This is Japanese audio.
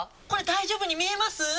これ大丈夫に見えます？